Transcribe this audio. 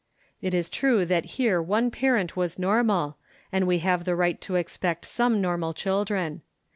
It is true that here one parent was normal, and we have the right to expect some nor mal children.